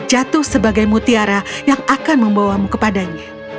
dan jatuh sebagai mutiara yang akan membawamu kepadanya